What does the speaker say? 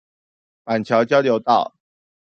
板橋交流道